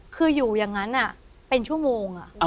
คืออยู่อย่างนั้นเป็นชั่วโมง